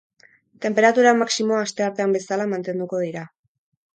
Tenperatura maximoa asteartean bezala mantenduko dira.